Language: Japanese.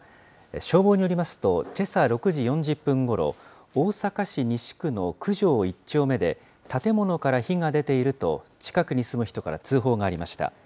消防によりますと、けさ６時４０分ごろ、大阪市西区のくじょう１丁目で建物から火が出ていると、近くに住む人から通報がありました。